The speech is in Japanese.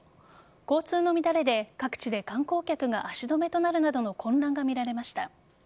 交通の乱れで各地で観光客が足止めとなるなどの混乱が見られました。